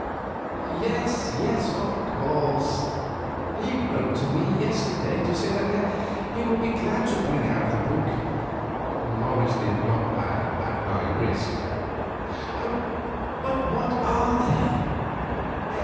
"Yes, yes, of course; he wrote to me yesterday to say that he would be glad to bring out the book"—Morris did not add, "at my risk."—"But what are they?"